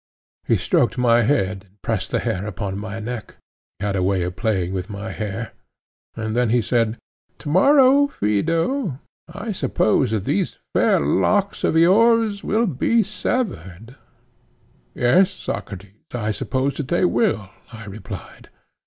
He stroked my head, and pressed the hair upon my neck—he had a way of playing with my hair; and then he said: To morrow, Phaedo, I suppose that these fair locks of yours will be severed. Yes, Socrates, I suppose that they will, I replied.